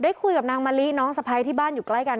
คุยกับนางมะลิน้องสะพ้ายที่บ้านอยู่ใกล้กัน